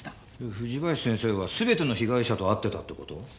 藤林先生は全ての被害者と会ってたって事？